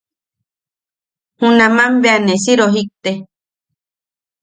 Junaman bea ne si rojikte.